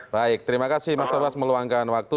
baik terima kasih mas tobas meluangkan waktu